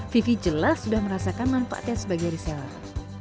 vivi jelas sudah merasakan manfaatnya sebagai reseller